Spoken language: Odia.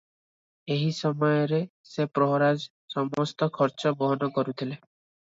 ଏହି ସମୟରେ ସେ ପ୍ରହରାଜଙ୍କ ସମସ୍ତ ଖର୍ଚ୍ଚ ବହନ କରୁଥିଲେ ।